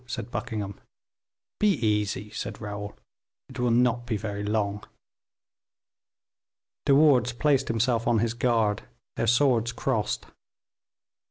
said Buckingham. "Be easy," said Raoul, "it will not be very long." De Wardes placed himself on his guard; their swords crossed.